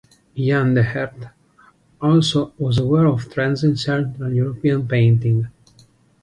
Jan de Herdt also was aware of trends in Central European painting.